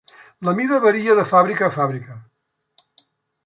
La mida varia de fàbrica a fàbrica.